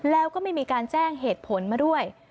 แล้วก็ไม่มีการแจ้งเหตุผลมาด้วย